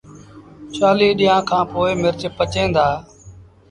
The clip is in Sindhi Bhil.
چآليٚه ڏيݩهآݩ کآݩ پو مرچ پچيٚن دآ